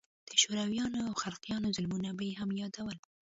د شورويانو او خلقيانو ظلمونه به يې هم يادول.